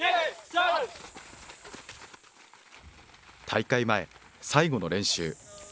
大会前、最後の練習。